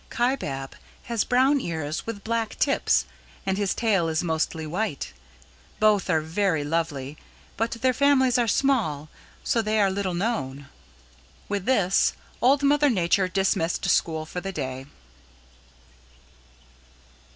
Kaibab has brown ears with black tips, and his tail is mostly white. Both are very lovely, but their families are small and so they are little known." With this, Old Mother Nature dismissed school for the day.